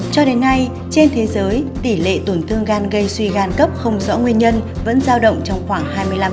cho đến nay trên thế giới tỷ lệ tổn thương gan gây suy gan cấp không rõ nguyên nhân vẫn giao động trong khoảng hai mươi năm